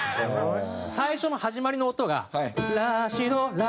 最初の始まりの音が「ラシドラ」